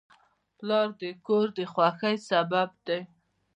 پلار د کور د خوښۍ سبب دی.